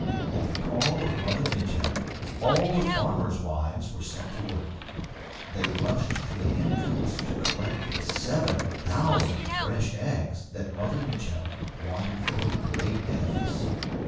At the call of Mother Mitchel all the farmers' wives were set to work; they rushed to the hencoops to collect the seven thousand fresh eggs that Mother Mitchel wanted for her great edifice.